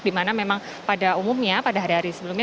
di mana memang pada umumnya pada hari hari sebelumnya